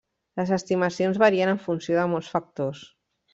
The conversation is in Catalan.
Les estimacions varien en funció de molts factors.